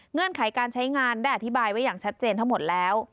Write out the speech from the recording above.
ไขการใช้งานได้อธิบายไว้อย่างชัดเจนทั้งหมดแล้ว